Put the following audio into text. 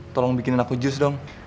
tolong bikin aku jus dong